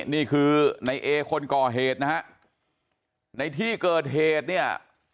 นี่คือในเอคนก่อเหตุนะฮะในที่เกิดเหตุเนี่ย